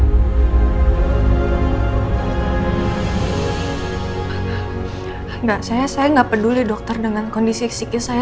enggak saya nggak peduli dokter dengan kondisi psikis saya